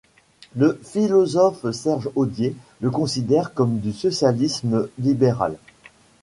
Le philosophe Serge Audier le considère comme du socialisme libéral.